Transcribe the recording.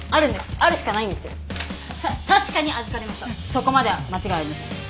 そこまでは間違いありません。